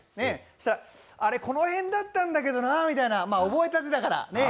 そしたら、あれ、この辺だったんだけどなみたいな、覚えたてだから。